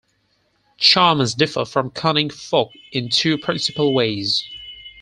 Charmers differ from cunning folk in two principal ways.